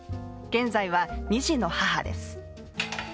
現在は２児の母です。